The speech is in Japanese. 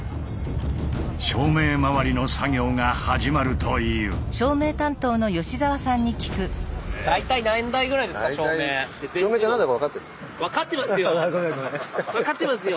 照明まわりの作業が始まるという。大体分かってますよ！